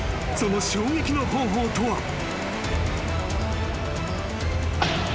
［その衝撃の方法とは］